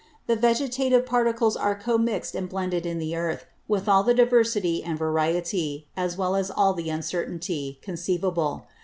The Vegetative Particles are commix'd and blended in the Earth, with all the diversity and variety, as well as all the uncertainty, conceivable.